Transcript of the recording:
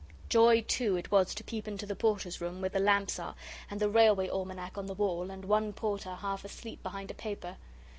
Joy, too, it was to peep into the porters' room, where the lamps are, and the Railway almanac on the wall, and one porter half asleep behind a paper.